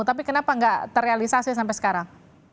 tapi kenapa nggak terrealisasi sampai sekarang